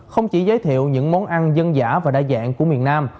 không chỉ giới thiệu những món ăn dân giả và đa dạng của miền nam